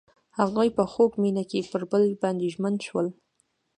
هغوی په خوږ مینه کې پر بل باندې ژمن شول.